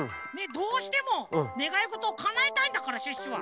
どうしてもねがいごとかなえたいんだからシュッシュは。